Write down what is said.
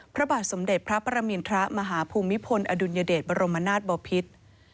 พระบาทสมเด็จพระประมินทรมาฮภูมิพลอดุลยเดชบรมนาศบอพิษ